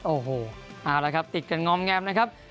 โอ้โหเอาละครับติดกันงอมแงมนะครับ